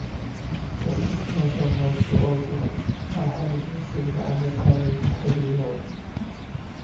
The explosion knocked out "Badger"s engines and caused heavy flooding.